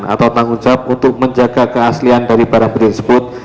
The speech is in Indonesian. atau tanggung jawab untuk menjaga keaslian dari barang bukti tersebut